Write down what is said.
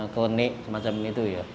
kronik semacam itu ya